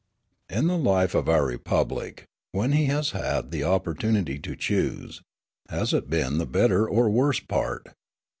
In the life of our Republic, when he has had the opportunity to choose, has it been the better or worse part?